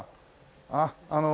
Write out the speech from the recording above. あっあの